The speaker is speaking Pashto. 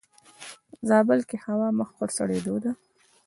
زابل کې هوا مخ پر سړيدو ده.